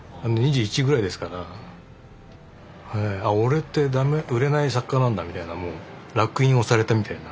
「俺って売れない作家なんだ」みたいなもう烙印押されたみたいな。